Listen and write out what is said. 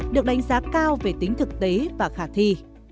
được đánh giá cao về tính thực tế và khả thi